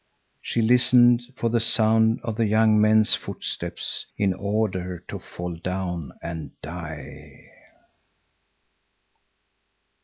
She listened for the sound of the young men's footsteps in order to fall down and die.